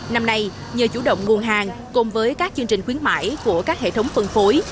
năm nay nhờ chủ động nguồn hàng cùng với các chương trình khuyến mãi của các hệ thống phân phối